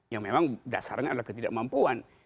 yang memang dasarnya adalah ketidakmampuan